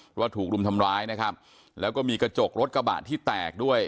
เพราะว่าถูกรุมทำร้ายนะครับแล้วก็มีกระจกรถกระบะที่แตกด้วย